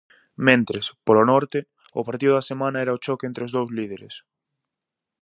Mentres, polo norte, o partido da semana era o choque entre os dous líderes.